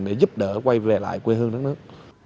để giúp đỡ quay về lại quê hương đất nước